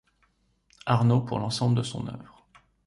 Arnaud pour l'ensemble de son œuvre.